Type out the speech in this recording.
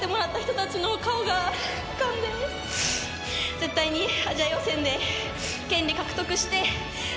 絶対にアジア予選で権利獲得して。